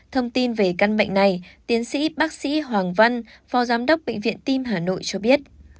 thông tin về căn bệnh này tiến sĩ bác sĩ hoàng văn phó giám đốc bệnh viện tim hà nội cho biết